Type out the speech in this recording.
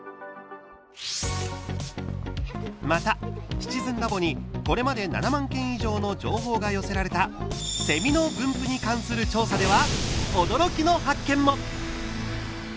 また「シチズンラボ」にこれまで７万件以上の情報が寄せられたセミの分布に関する調査では驚きの発見も。